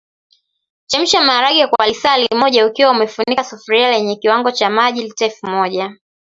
Chemsha maharage kwa lisaa li moja ukiwa umefunika sufuria lenye kiwango cha maji lita elfu moja